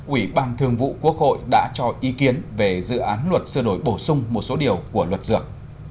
ủy ban thường vụ quốc hội đã cho ý kiến về dự án luật sửa đổi bổ sung một số điều của luật dược